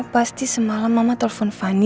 pasti semalam mama telepon fani